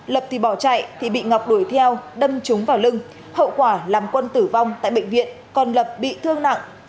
lập thì bỏ chạy thì bị ngọc đuổi theo đâm trúng vào lưng hậu quả làm quân tử vong tại bệnh viện còn lập bị thương nặng